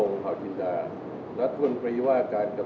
สวัสดีครับสวัสดีครับสวัสดีครับ